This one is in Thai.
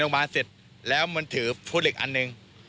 ในโรงพยาบาลเสร็จแล้วมันถือพูดอีกอันหนึ่ง